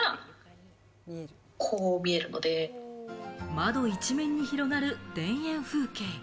窓一面に広がる田園風景。